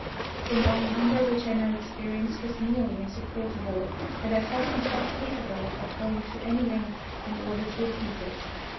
The gnawing hunger which I now experienced was nearly insupportable, and I felt myself capable of going to any lengths in order to appease it.